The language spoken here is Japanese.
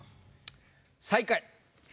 最下位。